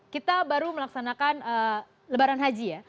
kita baru melaksanakan lebaran haji ya